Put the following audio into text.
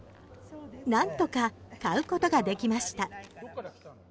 なんとか買うことができました。